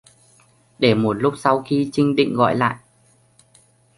Để một lúc sau khi trinh định gọi lại